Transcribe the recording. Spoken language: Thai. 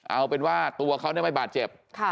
เอาเป็นว่าตัวเขาไม่บาดเจ็บ